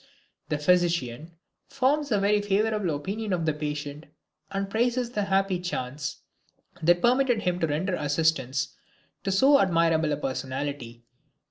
The physician forms a very favorable opinion of the patient and praises the happy chance that permitted him to render assistance to so admirable a personality.